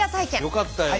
よかったよね。